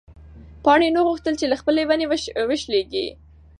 پاڼې نه غوښتل چې له خپلې ونې وشلېږي.